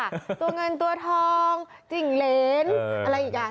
ตัวเงินตัวทองจิ่งเหรนอะไรอีกอย่าง